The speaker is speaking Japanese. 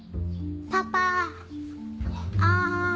パパあん。